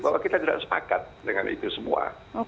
bahwa kita tidak sepakat dengan itu semua